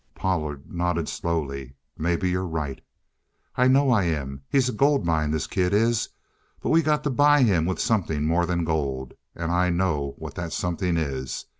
Pollard nodded slowly. "Maybe you're right." "I know I am. He's a gold mine, this kid is. But we got to buy him with something more than gold. And I know what that something is.